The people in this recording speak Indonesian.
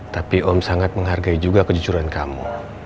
tapi om sangat menghargai juga kejujuran kamu